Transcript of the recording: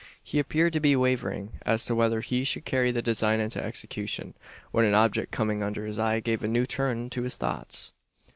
He appeared to be wavering, as to whether he should carry the design into execution, when an object coming under his eye gave a new turn to his thoughts.